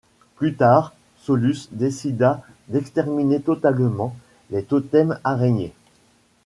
Plus tard, Solus décida d'exterminer totalement les totems araignées.